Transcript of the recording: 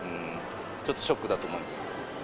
ちょっとショックだと思います。